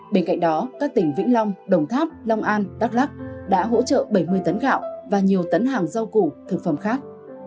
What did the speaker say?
bên cạnh đó các tỉnh vĩnh long đồng tháp long an đắk lắc đã hỗ trợ bảy mươi tấn gạo và nhiều tấn hàng rau củ thực phẩm khác